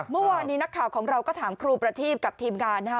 เมื่อวานนี้นักข่าวของเราก็ถามครูประทีบกับทีมงานนะคะ